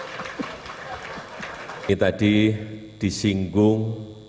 ini tadi disinggung